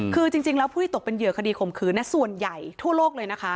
คือจริงแล้วผู้ที่ตกเป็นเหยื่อคดีข่มขืนส่วนใหญ่ทั่วโลกเลยนะคะ